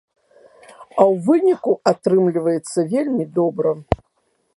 А ў выніку атрымліваецца вельмі добра!